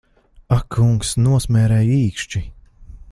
Ak kungs, nosmērēju īkšķi!